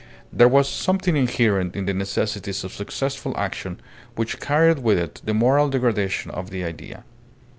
There was something inherent in the necessities of successful action which carried with it the moral degradation of the idea.